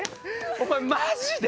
お前マジで？